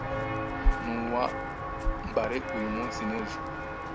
ntuwambare uyu munsi n'ejo